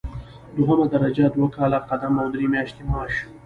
دوهمه درجه دوه کاله قدم او درې میاشتې معاش.